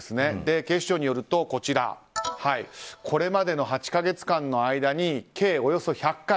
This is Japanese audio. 警視庁によると、これまでの８か月間に計およそ１００回。